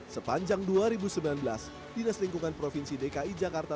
sepanjang dua ribu sembilan belas dinas lingkungan provinsi dki jakarta